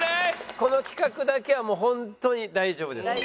この企画だけはもうホントに大丈夫です。